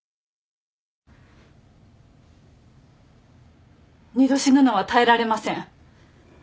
二度死ぬのは耐えられません。